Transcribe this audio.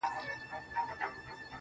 o د ظالم لور.